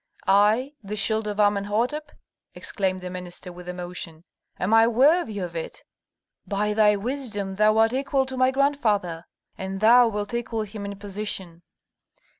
"I? the shield of Amenhôtep?" exclaimed the minister, with emotion. "Am I worthy of it?" "By thy wisdom thou art equal to my grandfather, and thou wilt equal him in position."